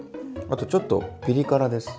あとちょっとピリ辛です。